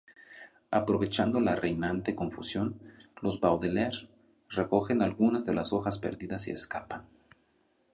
Aprovechando la reinante confusión, los Baudelaire recogen algunas de las hojas perdidas y escapan.